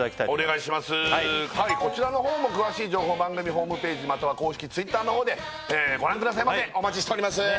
こちらの方も詳しい情報番組ホームページまたは公式Ｔｗｉｔｔｅｒの方でご覧くださいませお待ちしております